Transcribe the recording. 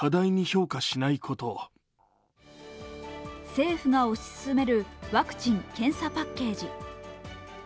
政府が推し進めるワクチン・検査パッケージ。